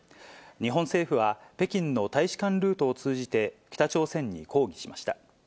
日本政府は北京の大使館ルートを通じて、北朝鮮に抗議しました。